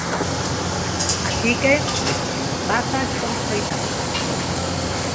Así que, moitísimas grazas por escoitarme.